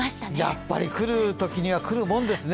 やっぱ来るときには来るものですね。